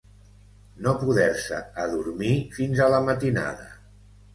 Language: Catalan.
No poder-se adormir fins a la matinada.